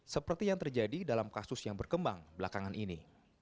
seperti yang terjadi dalam kasus yang berkembang belakangan ini